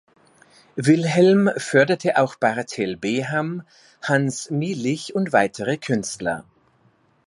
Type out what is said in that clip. Wilhelm förderte auch Barthel Beham, Hans Mielich und weitere Künstler.